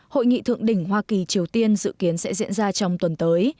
hội nghị thượng đỉnh hoa kỳ triều tiên dự kiến sẽ diễn ra trong tuần tới